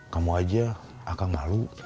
kamu aja akan malu